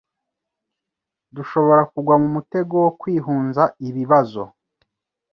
Dushobora kugwa mu mutego wo kwihunza ibibazo